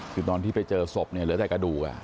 คือตอนที่ไปเจอศพเนี่ยเหลือแต่กระดูก